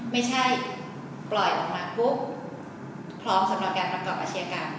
ไม่ใช่ปล่อยออกมาปุ๊บพร้อมสำหรับการประกอบอาชียกรรม